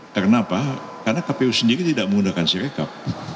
karena apa karena kpu sendiri tidak menggunakan sirekap